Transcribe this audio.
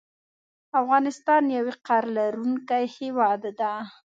افغانستان یو وقار لرونکی هیواد ده